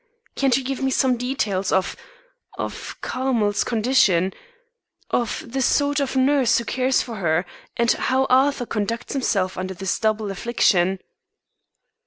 Can't you give me some details of of Carmel's condition; of the sort of nurse who cares for her, and how Arthur conducts himself under this double affliction?"